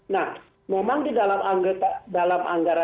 nah memang di dalam anggaran anggaran anggaran